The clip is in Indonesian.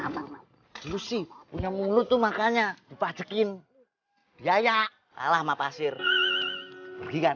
musik punya mulut tuh makanya dipajakin ya ya alah ma pasir pergi kan